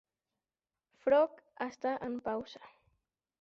Frog" està en pausa.